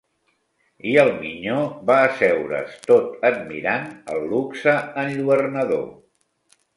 I el minyó va asseure's tot admirant el luxe enlluernador